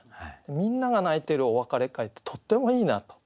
みんなが泣いてるお別れ会ってとってもいいなと。